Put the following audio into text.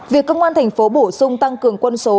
việc công an thành phố bổ sung tăng cường quân số